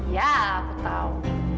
ya aku tahu